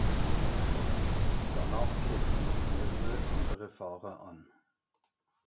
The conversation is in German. Danach griffen noch mehrere andere Fahrer an.